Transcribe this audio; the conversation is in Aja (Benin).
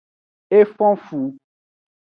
E fon fu.